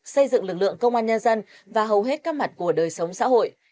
xây dựng lực lượng công an nhân dân và hầu hết các mặt của đời sống xã hội